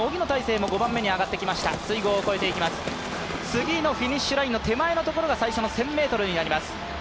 次のフィニッシュラインの手前のところが最初の１０００ｍになります。